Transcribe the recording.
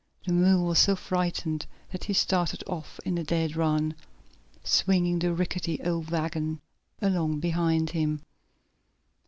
The mule was so frightened that he started off on a dead run, swinging the rickety, old wagon along behind him.